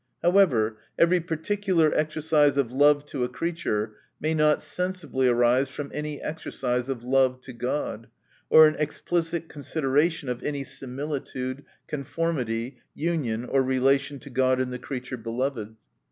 — However, every particular exercise of love to a crea ture may not sensibly arise from any exercise of love to God, or an explicit consideration of any similitude, conformity, union or relation to God, in the creature beloved.